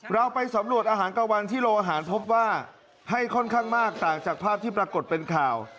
เราไปสำรวจอาหารกลางวันที่โลอาหารพบว่าให้ค่อนข้างมากต่างจากภาพที่ปรากฏเป็นข่าว